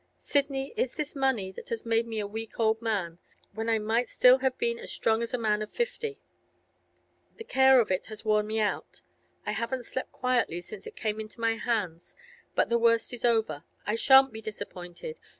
Sidney, it's this money that has made me a weak old man when I might still have been as strong as many at fifty; the care of it has worn me out; I haven't slept quietly since it came into my hands. But the worst is over. I shan't be disappointed.